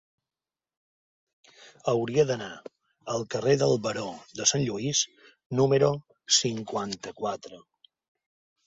Hauria d'anar al carrer del Baró de Sant Lluís número cinquanta-quatre.